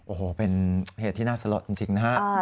โอ้โหเป็นเหตุที่น่าสลดจริงนะฮะ